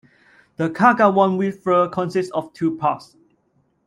The Kagawong River consists of two parts.